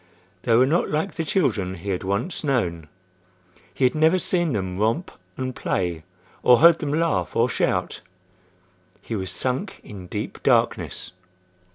They were not like the children he had once known. He had never seen them romp and play or heard them laugh or shout. He was sunk in deep darkness.